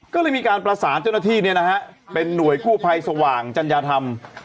ก็เลยมีการประสานเจ้าหน้าที่เนี่ยนะฮะเป็นหน่วยกู้ภัยสว่างจัญญาธรรม